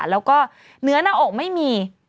แล้วก็เนื้อหน้าอกไม่มี